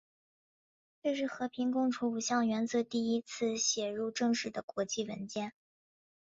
这是和平共处五项原则第一次写入正式的国际文件。